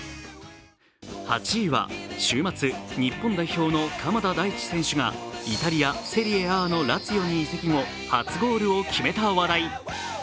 ８位は週末、日本代表の鎌田大地選手がイタリア・セリエＡのラツィオに移籍後、初ゴールを決めた話題。